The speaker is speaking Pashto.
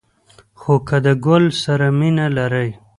خو که د گل سره مینه لرئ